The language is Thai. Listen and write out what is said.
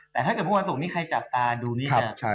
แต่ถ้าเกิดวันศพนี้ใครจับตาดูนี่